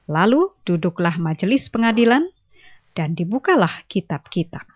lalu duduklah majelis pengadilan dan dibukalah kitab kitab